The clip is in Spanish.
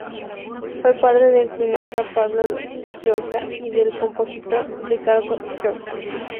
Fue padre del cineasta Pablo Llorca y del compositor Ricardo Llorca.